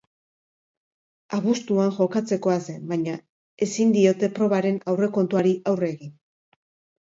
Abuztuan jokatzekoa zen, baina ezin diote probaren aurrekontuari aurre egin.